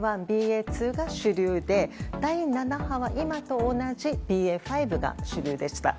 ．１、ＢＡ．２が主流で第７波は今と同じＢＡ．５が主流でした。